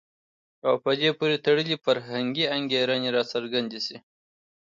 او په دې پورې تړلي فرهنګي انګېرنې راڅرګندې شي.